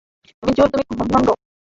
তুমি চোর, তুমি ভণ্ড!